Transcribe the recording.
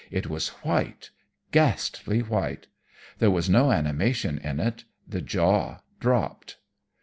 It was white ghastly white; there was no animation in it; the jaw dropped.